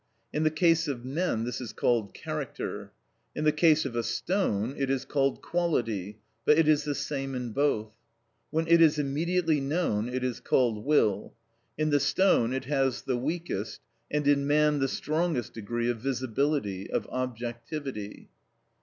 In the case of men this is called character; in the case of a stone it is called quality, but it is the same in both. When it is immediately known it is called will. In the stone it has the weakest, and in man the strongest degree of visibility, of objectivity.